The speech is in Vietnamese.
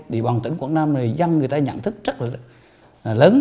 vì bằng tỉnh quảng nam này dân người ta nhận thức rất là lớn